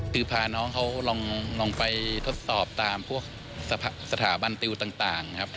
คือพาน้องเขาลองไปทดสอบตามพวกสถาบันติวต่างนะครับ